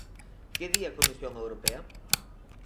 ¿Que di a Comisión Europea?